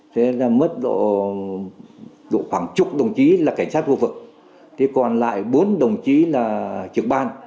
thế là mất khoảng chục đồng chí là cảnh sát khu vực còn lại bốn đồng chí là trực ban